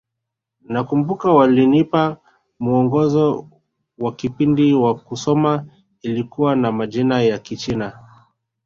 Nakumbuka walinipa mwongozo wa kipindi wa kusoma ulikuwa na majina ya Kichina